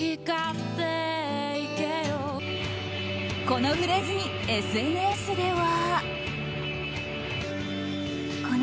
このフレーズにＳＮＳでは。